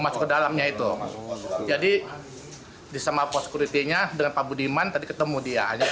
masuk ke dalamnya itu jadi disama pos kuritinya dengan pak budiman tadi ketemu dia